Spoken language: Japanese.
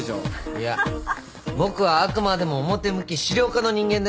いや僕はあくまでも表向き資料課の人間ですから。